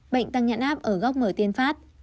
bệnh tăng nhãn áp ở góc mở tiên phát